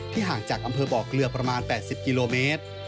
ห่างจากอำเภอบ่อเกลือประมาณ๘๐กิโลเมตร